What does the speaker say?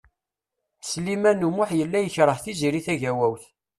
Sliman U Muḥ yella yekreh Tiziri Tagawawt.